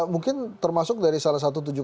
mungkin termasuk dari salah satu